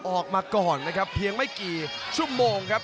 ออกมาก่อนนะครับเพียงไม่กี่ชั่วโมงครับ